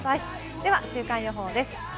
では週間予報です。